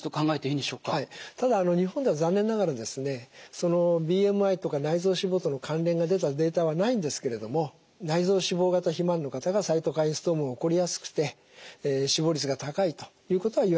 そのＢＭＩとか内臓脂肪との関連が出たデータはないんですけれども内臓脂肪型肥満の方がサイトカインストームが起こりやすくて死亡率が高いということは言われているわけですね。